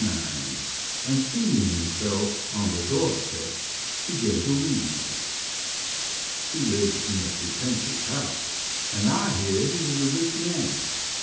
9, and, seating himself on the door step, begin to read. He lives in a pretentious house, and I hear he is a rich man.